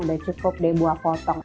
udah cukup deh buah potong